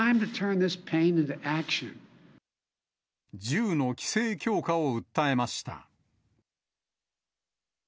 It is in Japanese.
銃の規制強化を訴えました。